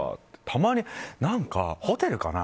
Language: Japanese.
たまにホテルかな。